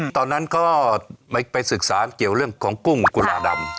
ตอนนั้นเขาก็ไปศึกษาเกี่ยวเรื่องของกุ้งกุหลาดำ